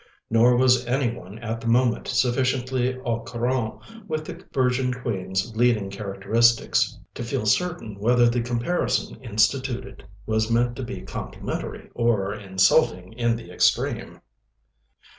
Nor was any one at the moment sufficiently au courant with the Virgin Queen's leading characteristics to feel certain whether the comparison instituted was meant to be complimentary or insulting in the extreme.